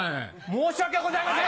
申し訳ございません。